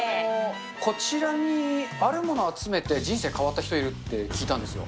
こちらに、あるものを集めて人生変わった人いるって聞いたんですよ。